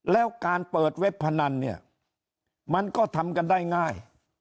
แล้วการเปิดเว็บพนันเนี่ยมันก็ทำกันได้ง่าย